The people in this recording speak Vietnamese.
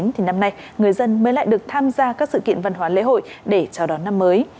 thì năm nay người dân mới lại được tham gia các sự kiện văn hóa lễ hội để chào đón năm mới